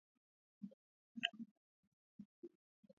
Muloko yangu arienda ku mashamba busubuyi sana